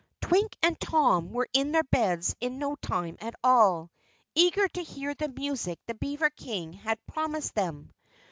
Twink and Tom were in their beds in no time at all, eager to hear the music the beaver King had promised them.